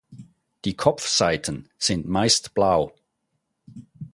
Die Kopfseiten sind meist blau.